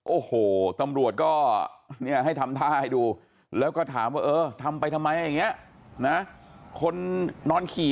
โอ้โหตำรวจก็เนี่ยให้ทำท่าให้ดูแล้วก็ถามว่าเออทำไปทำไมอย่างนี้นะคนนอนขี่